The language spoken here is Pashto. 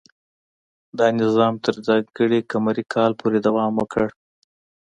دا نظام تر ځانګړي قمري کال پورې دوام وکړ.